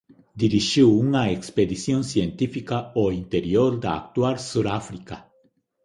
Dirixiu unha expedición científica ao interior da actual Suráfrica.